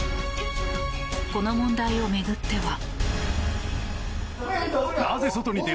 この問題を巡っては。